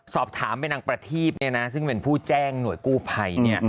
สอบถามไปนางประทีบเนี่ยนะซึ่งเป็นผู้แจ้งหน่วยกู้ภัยเนี่ย